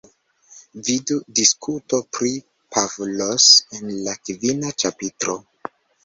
Vidu diskuto pri Pavlos en la kvina ĉapitro.